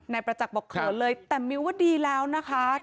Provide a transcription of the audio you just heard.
ประจักษ์บอกเขินเลยแต่มิ้วว่าดีแล้วนะคะ